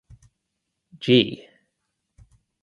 Jea.